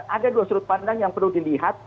ada dua sudut pandang yang perlu dilihat